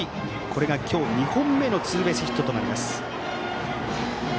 これが今日２本目のツーベースヒットとなります。